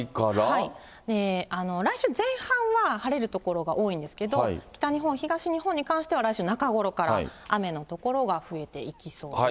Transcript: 来週前半は晴れる所が多いんですけど、北日本、東日本に関しては、来週中ごろから雨の所が増えていきそうです。